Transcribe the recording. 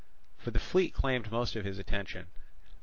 For the fleet claimed most of his attention.